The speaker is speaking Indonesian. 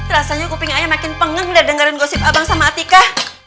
rasanya kuping ayah makin pengeng udah dengerin gosip abang sama atika